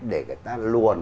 để người ta luồn